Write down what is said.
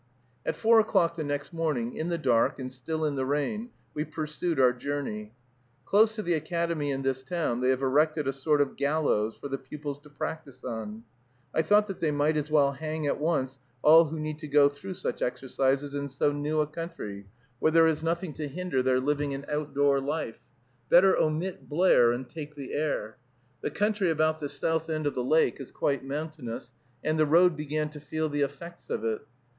At four o'clock the next morning, in the dark, and still in the rain, we pursued our journey. Close to the academy in this town they have erected a sort of gallows for the pupils to practice on. I thought that they might as well hang at once all who need to go through such exercises in so new a country, where there is nothing to hinder their living an outdoor life. Better omit Blair, and take the air. The country about the south end of the lake is quite mountainous, and the road began to feel the effects of it.